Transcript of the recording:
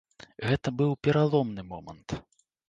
Гэта быў пераломны момант.